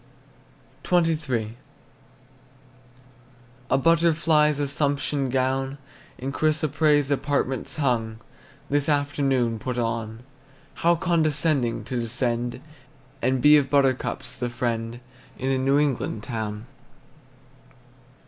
XXIII. The butterfly's assumption gown, In chrysoprase apartments hung, This afternoon put on. How condescending to descend, And be of buttercups the friend In a New England town!